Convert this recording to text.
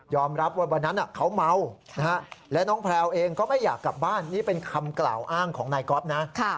รับว่าวันนั้นเขาเมาและน้องแพลวเองก็ไม่อยากกลับบ้านนี่เป็นคำกล่าวอ้างของนายก๊อฟนะ